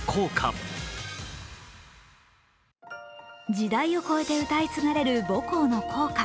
時代を越えて歌い継がれる母校の校歌。